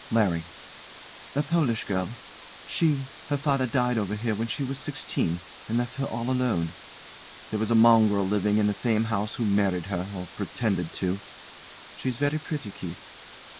LARRY. A Polish girl. She her father died over here when she was sixteen, and left her all alone. There was a mongrel living in the same house who married her or pretended to. She's very pretty, Keith.